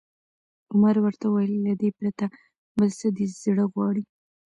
عمر ورته وویل: له دې پرته، بل څه دې زړه غواړي؟